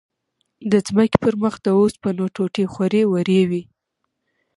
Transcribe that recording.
د ځمکې پر مخ د اوسپنو ټوټې خورې ورې وې.